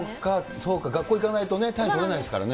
そうか、学校行かないとね、単位取れないですからね。